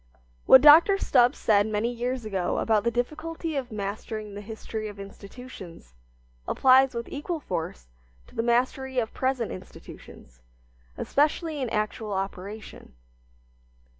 What Dr. Stubbs said many years ago about the difficulty of mastering the history of institutions applies with equal force to the mastery of present institutions, especially in actual operation.